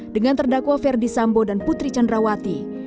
dengan terdakwa ferdi sambo dan putri candrawati